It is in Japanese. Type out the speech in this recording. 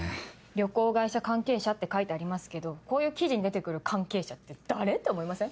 旅行会社関係者って書いてありますけどこういう記事に出て来る関係者って誰って思いません？